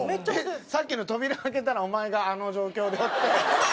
さっきの扉開けたらお前があの状況でおって。